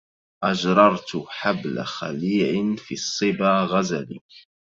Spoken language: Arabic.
أجررت حبل خليع في الصبا غزل